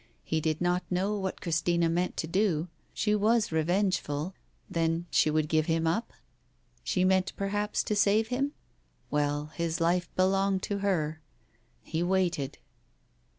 He did not know what Christina meant to do. She was revengeful — then she would give him up? She meant perhaps to save him? Well, his life belonged to her. He waited.